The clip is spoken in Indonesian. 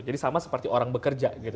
jadi sama seperti orang bekerja gitu